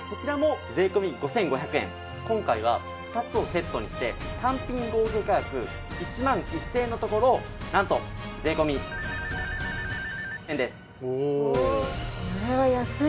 今回は２つをセットにして単品合計価格１万１０００円のところなんと税込円です。